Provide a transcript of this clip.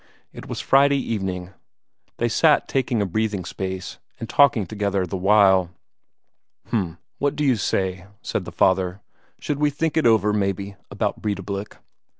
It was Friday evening; they sat taking a breathing space, and talking together the while. "H'm what d'you say?" said the father. "Should we think it over, maybe, about Breidablik?"